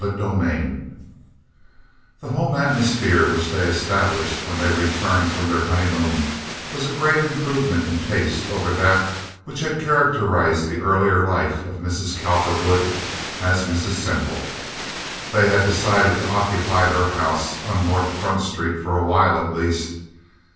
Chapter X The home atmosphere which they established when they returned from their honeymoon was a great improvement in taste over that which had characterized the earlier life of Mrs. Cowperwood as Mrs. Semple. They had decided to occupy her house, on North Front Street, for a while at least.